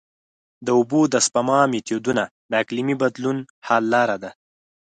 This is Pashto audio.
د اوبو د سپما میتودونه د اقلیمي بدلون حل لاره ده.